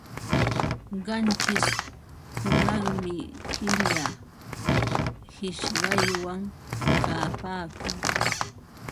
Qanchish hunaqmi killa qishyaywan kapaakun.